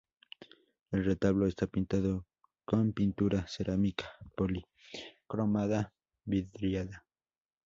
El retablo está pintado con pintura cerámica policromada vidriada.